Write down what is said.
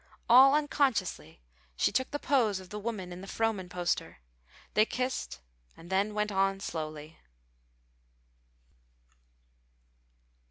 All unconsciously she took the pose of the woman in the Frohman poster. They kissed, and then went on slowly.